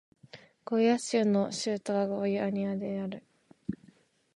ゴイアス州の州都はゴイアニアである